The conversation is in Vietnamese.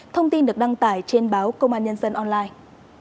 thông tin được đăng tải trên báo công an nhân dân online